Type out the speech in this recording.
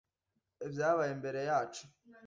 Byabaye imbere yacu.